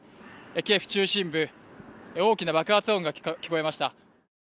キーウ中心部、大きな爆発音が聞こえました。